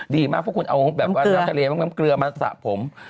ดีมากเพราะคุณเอาแบบว่าน้ำทะเลบ้างน้ำเกลือมาสระผม